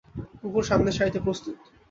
কুকুর সামনের সারিতে প্রস্তুত!